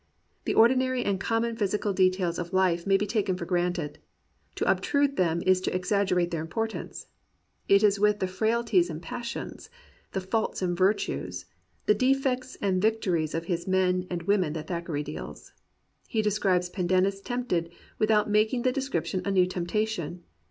The ordinary and common physical details of life may be taken for granted; to obtrude them is to exaggerate their importance. It is with the frailties and passions, the faults and virtues, the defeats and victories of his men and women that Thackeray deals. He describes Pen dennis tempted without making the description a new temptation.